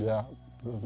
iya belum dikumpulkan